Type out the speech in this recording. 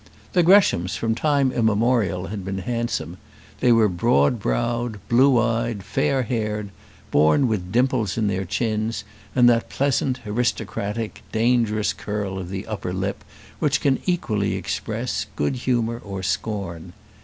The Greshams from time immemorial had been handsome. They were broad browed, blue eyed, fair haired, born with dimples in their chins, and that pleasant, aristocratic dangerous curl of the upper lip which can equally express good humour or scorn.